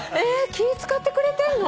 気使ってくれてんの？